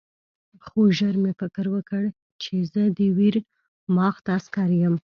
خو ژر مې فکر وکړ چې زه د ویرماخت عسکر یم